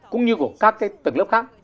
cũng như của các tầng lớp khác